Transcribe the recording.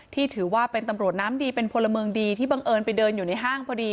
ถือว่าเป็นตำรวจน้ำดีเป็นพลเมืองดีที่บังเอิญไปเดินอยู่ในห้างพอดี